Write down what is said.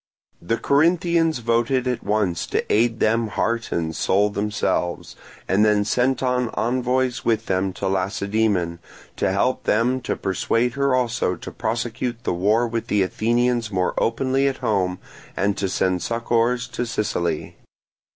The Corinthians voted at once to aid them heart and soul themselves, and then sent on envoys with them to Lacedaemon, to help them to persuade her also to prosecute the war with the Athenians more openly at home and to send succours to Sicily.